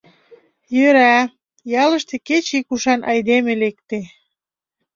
Йӧра, ялыште кеч ик ушан айдеме лекте.